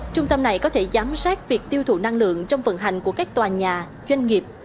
trung tâm này có thể giám sát việc tiêu thụ năng lượng trong vận hành của các tòa nhà doanh nghiệp